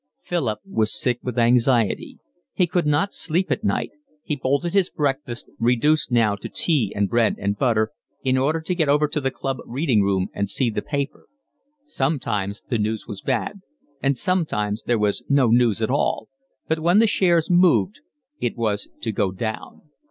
Philip was sick with anxiety. He could not sleep at night; he bolted his breakfast, reduced now to tea and bread and butter, in order to get over to the club reading room and see the paper; sometimes the news was bad, and sometimes there was no news at all, but when the shares moved it was to go down.